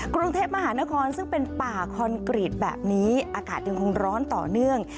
กรุงเทพมหานครซึ่งเป็นป่าคอนกรีตแบบนี้อากาศยังคงร้อนต่อเนื่อง